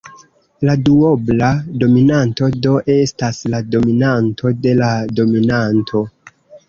La duobla dominanto do estas la dominanto de la dominanto.